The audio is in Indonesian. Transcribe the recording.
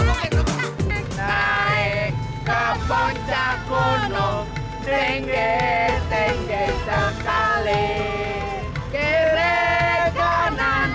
naik ke poncak gunung tinggi tinggi sekali kira kira